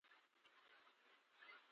دوه کسان د غنمو په ځمکه جنګېږي.